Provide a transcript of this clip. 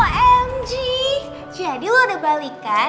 jadi lo udah balikan dan bentar lagi muter